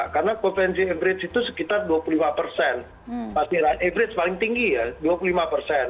karena kebanyakan akupensi itu sekitar dua puluh lima persen maksudnya akupensi paling tinggi ya dua puluh lima persen